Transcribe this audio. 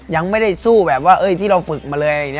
ยังไม่ได้สู้แบบว่าเฮ้ยที่เราฝึกมาเลย